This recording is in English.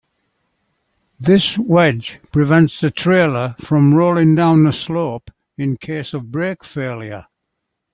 This wedge prevents the trailer from rolling down the slope in case of brake failure.